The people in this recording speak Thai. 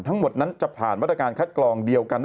ทั้งหมดนั้นจะผ่านมาตรการคัดกรองเดียวกัน